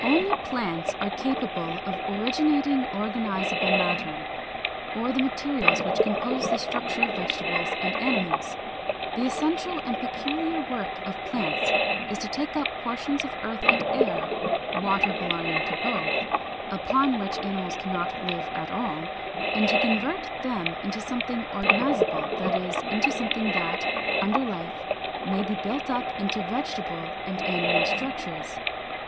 445. Only plants are capable of originating organizable matter, or the materials which compose the structure of vegetables and animals. The essential and peculiar work of plants is to take up portions of earth and air (water belonging to both) upon which animals cannot live at all, and to convert them into something organizable; that is, into something that, under life, may be built up into vegetable and animal structures.